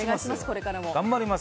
これからも。